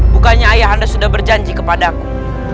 bukannya ayah anda sudah berjanji kepadaku